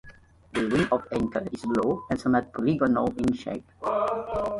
The rim of Encke is low and somewhat polygonal in shape.